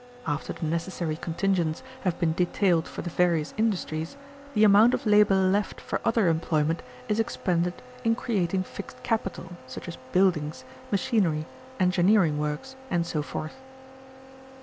After the necessary contingents have been detailed for the various industries, the amount of labor left for other employment is expended in creating fixed capital, such as buildings, machinery, engineering works, and so forth."